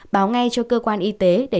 báo ngay cho cơ quan y tế để